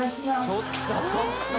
ちょっとちょっと。